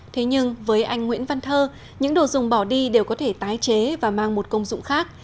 thế nhưng với anh nguyễn văn thơ những đồ dùng bỏ đi đều có thể tái chế và mang một công dụng khác